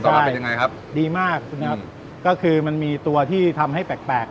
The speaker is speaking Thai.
มาเป็นยังไงครับดีมากคุณครับก็คือมันมีตัวที่ทำให้แปลกแปลก